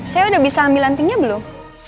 saya udah bisa ambil lantingnya belum